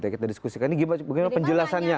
kita diskusikan ini gimana penjelasannya